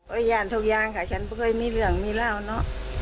ย่านทุกอย่างค่ะฉันก็เคยมีเรื่องมีราวเนอะ